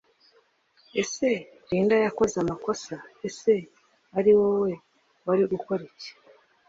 Ese Linda yakoze amakosa Ese ari wowe wari gukoriki